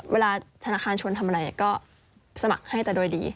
เวลาธนาคารชวนทำอะไรก็สมัครให้แต่โดยดี